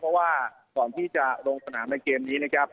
เพราะว่าก่อนที่จะลงสนามในเกมนี้นะครับ